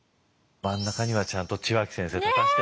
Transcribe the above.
真ん中にはちゃんと血脇先生立たせてね。